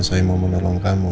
saya mau menolong kamu